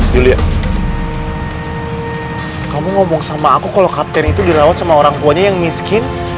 julia kamu ngomong sama aku kalau kapten itu dirawat sama orang tuanya yang miskin